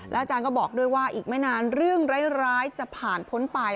อาจารย์ก็บอกด้วยว่าอีกไม่นานเรื่องร้ายจะผ่านพ้นไป